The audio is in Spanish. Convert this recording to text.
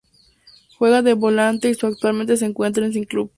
Juega de volante y su actualmente se encuentra sin club.